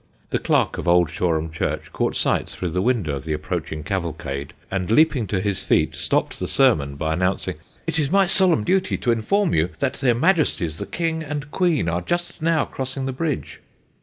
The clerk of Old Shoreham church caught sight through the window of the approaching cavalcade, and leaping to his feet, stopped the sermon by announcing: "It is my solemn duty to inform you that their Majesties the King and Queen are just now crossing the bridge."